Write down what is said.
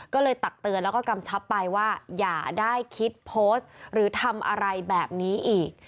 ก็เลยตักเตือนแล้วก็กำชับไปว่าอย่าได้คิดโพสต์หรือทำอะไรแบบนี้อีก